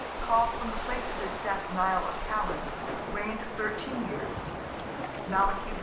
(called from the place of his death Nial of Callan), reigned thirteen years; Malachy I.